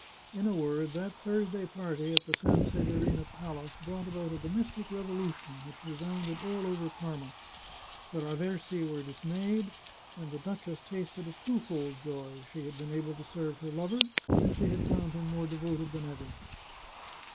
In a word, that Thursday party at the Sanseverina palace brought about a domestic revolution which resounded all over Parma. The Raversi was dismayed, and the duchess tasted a twofold joy. She had been able to serve her lover, and she had found him more devoted than ever.